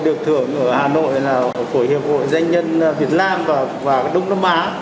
được thưởng ở hà nội là của hiệp hội doanh nhân việt nam và đông nam á